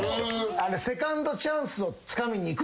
セカンドチャンスをつかみにいくという。